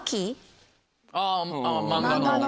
あぁ漫画の。